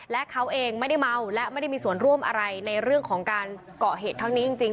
และเขาเองไม่ได้เมาและไม่ได้มีส่วนร่วมอะไรในเรื่องของการเกาะเหตุทั้งนี้จริง